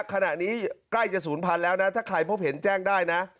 ขณะนี้ใกล้จะ๐๐๐๐แล้วนะถ้าใครพบเห็นแจ้งได้นะ